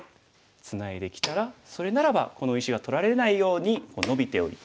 ツナいできたらそれならばこの石が取られないようにこうノビておいて。